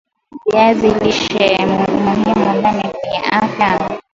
viazi lishe umuhimu gani kwenye afya